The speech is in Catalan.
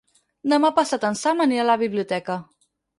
Demà passat en Sam anirà a la biblioteca.